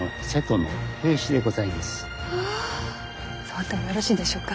触ってもよろしいでしょうか。